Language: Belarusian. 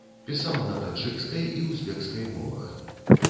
Пісаў на таджыкскай і узбекскай мовах.